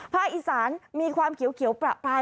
อีสานมีความเขียวประปราย